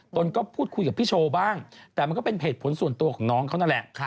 ตนก็พูดคุยกับพี่โชว์บ้างแต่มันก็เป็นเหตุผลส่วนตัวของน้องเขานั่นแหละ